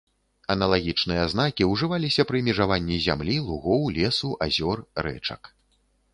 Аналагічныя знакі ўжываліся пры межаванні зямлі, лугоў, лесу, азёр, рэчак.